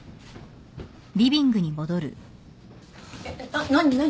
えっ何何？